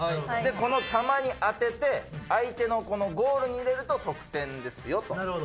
この球に当てて相手のゴールに入れると得点ですよと。